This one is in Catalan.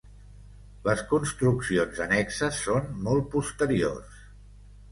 Les construccions annexes són molt posteriors.